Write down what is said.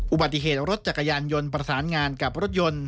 อุบัติเหตุรถจักรยานยนต์ประสานงานกับรถยนต์